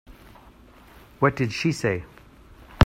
What did she say?